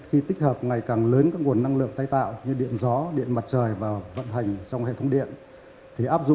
hệ thống điện việt nam